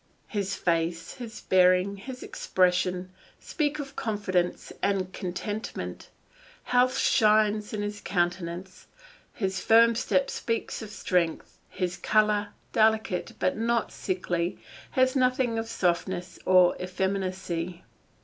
His face, his bearing, his expression, speak of confidence and contentment; health shines in his countenance, his firm step speaks of strength; his colour, delicate but not sickly, has nothing of softness or effeminacy.